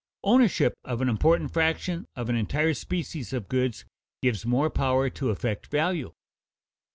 Ownership of an important fraction of an entire species of goods gives more power to affect value.